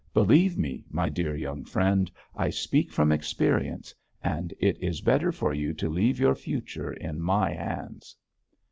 Believe me, my dear young friend, I speak from experience, and it is better for you to leave your future in my hands.'